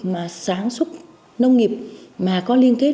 mà sáng súc nông nghiệp mà có liên kết